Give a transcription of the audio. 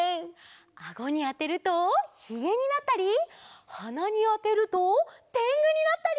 アゴにあてるとひげになったりはなにあてるとてんぐになったり！